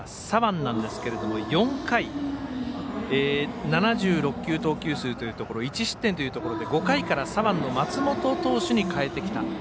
左腕なんですが、４回７６球、投球数１失点というところで５回から左腕の松本投手に代えてきた。